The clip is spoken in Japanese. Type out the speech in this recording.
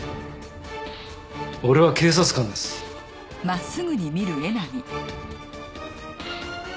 俺は警察官です。